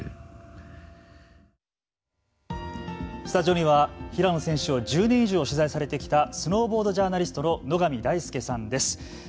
スタジオには平野選手を１０年以上取材されてきたスノーボードジャーナリストの野上大介さんです。